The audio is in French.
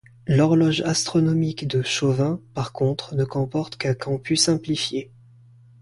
L'horloge astronomique de Chauvin, par contre, ne comporte qu'un comput simplifié.